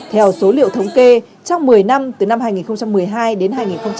theo số liệu thống kê trong một mươi năm từ năm hai nghìn một mươi hai đến hai nghìn một mươi tám